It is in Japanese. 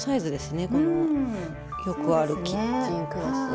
このよくあるキッチンクロスが。